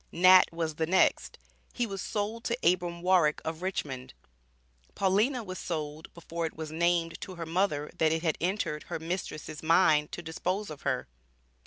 Nat was the next; he was sold to Abram Warrick, of Richmond. Paulina was sold before it was named to her mother that it had entered her mistress's mind to dispose of her.